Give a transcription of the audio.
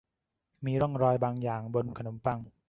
มีร่องรอยบางอย่างบนขนมปัง